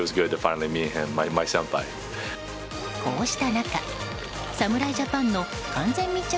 こうした中、侍ジャパンの完全密着